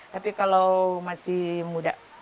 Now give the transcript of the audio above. tapi kalau masih muda